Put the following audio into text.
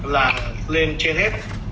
là lên trên hết